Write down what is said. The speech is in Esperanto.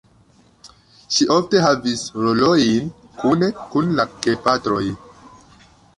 Ŝi ofte havis rolojn kune kun la gepatroj.